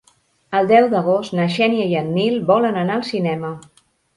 El deu d'agost na Xènia i en Nil volen anar al cinema.